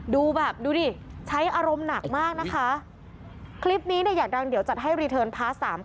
ดูแบบดูดิใช้อารมณ์หนักมากนะคะคลิปนี้เนี่ยอยากดังเดี๋ยวจัดให้รีเทิร์นพาร์ทสาม